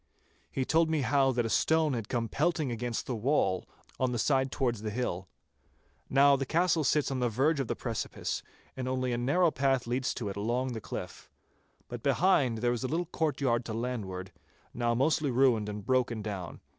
He told me how that a stone had come pelting against the wall, on the side towards the hill. Now the castle sits on the verge of the precipice, and only a narrow path leads to it along the cliff. But behind there is a little courtyard to landward, now mostly ruined and broken down.